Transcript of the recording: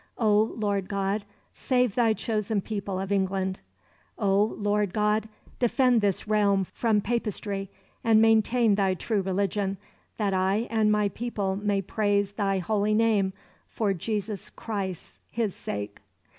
O Lord God, save Thy chosen people of England. O Lord God, defend this realm from Papistry and maintain Thy true religion, that I and my people may praise Thy holy Name, for Jesus Christ His sake.